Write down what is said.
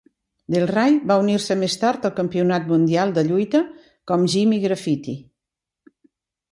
Del Ray va unir-se més tard al Campionat Mundial de Lluita com Jimmy Graffiti.